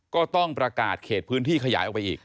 ก็ต้องประกาศเขตพื้นที่ขยายออกไปอีก